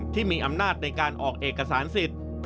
ที่มีอำนาจในการออกเอกสารสิทธิ์